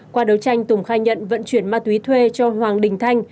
qua đấu tranh tùng khai nhận vận chuyển ma túy thuê cho hoàng đình thanh